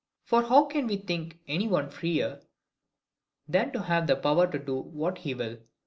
For how can we think any one freer, than to have the power to do what he will?